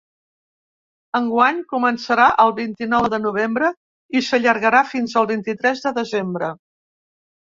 Enguany començarà el vint-i-nou de novembre i s’allargarà fins al vint-i-tres de desembre.